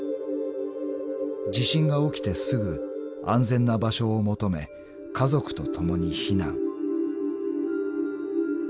［地震が起きてすぐ安全な場所を求め家族と共に避難］